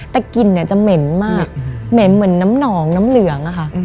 แต่กลิ่นเนี่ยจะเหม็นมากเหม็นเหมือนน้ำหนองน้ำเหลืองอะค่ะ